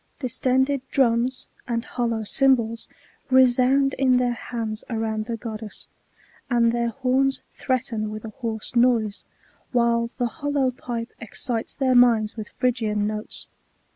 Distended drums, and hollow cymbals, resound in their hands around the B. II. 620 660. LUCRETIUS. 77 goddess ; and their horns threaten with a hoarse noise, while the hollow pipe excites their minds with Phrygian notes.